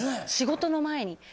仕事の前に。